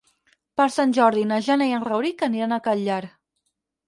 Per Sant Jordi na Jana i en Rauric aniran al Catllar.